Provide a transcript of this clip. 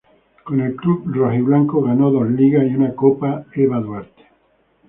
Con el club rojiblanco ganó dos Ligas y una Copa Eva Duarte.